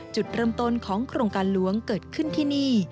จุดเริ่มต้นของโครงการหลวงเกิดขึ้นที่นี่